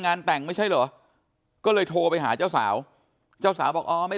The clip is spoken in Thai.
แต่งไม่ใช่เหรอก็เลยโทรไปหาเจ้าสาวเจ้าสาวบอกอ๋อไม่